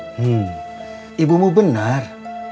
hmm ibumu benar